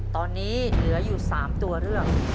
ตอนนี้เหลืออยู่๓ตัวเลือก